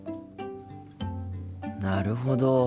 なるほど。